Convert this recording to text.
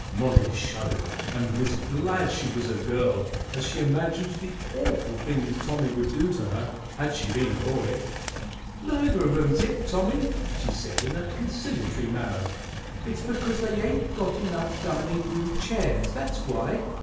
Mollie shuddered and was glad she was a girl as she imagined the awful things Tommy would do to her had she been a boy. "Neither of 'em's it, Tommy," she said, in a conciliatory manner. "It's because they ain't got enough dining room chairs, that's why.